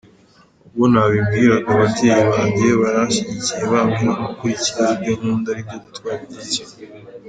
Ubwo nabibwiraga ababyeyi banjye baranshyigikiye bambwira gukurikira ibyo nkunda ari byo gutwara indege.